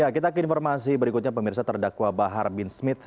kita ke informasi berikutnya pemirsa terdakwa bahar bin smith